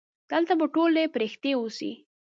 دلته به ټولې پرښتې اوسي.